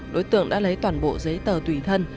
đối tượng đã lấy toàn bộ giấy tờ tùy thân